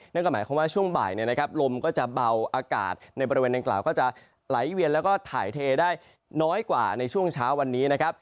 นั่นก็หมายความว่าช่วงบ่ายลมก็จะเบาอากาศในบริเวณดังกล่าวก็จะไหลเวียนแล้วก็ถ่ายเทได้น้อยกว่าในช่วงเช้าวันนี้นะครับ